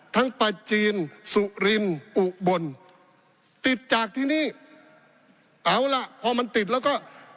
ประจีนสุรินอุบลติดจากที่นี่เอาล่ะพอมันติดแล้วก็